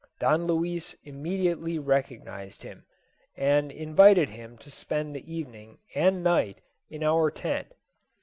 Don Luis immediately recognised him, and invited him to spend the evening and night in our tent.